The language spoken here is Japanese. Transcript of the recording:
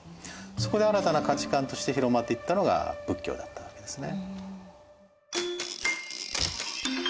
そこで新たな価値観として広まっていったのが仏教だったわけですね。